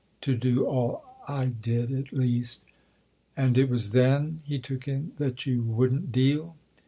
"To do all I did at least." "And it was then," he took in, "that you wouldn't deal?"